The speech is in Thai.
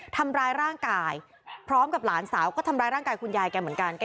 ทำร้ายร่างกายพร้อมกับหลานสาวก็ทำร้ายร่างกายคุณยายแกเหมือนกัน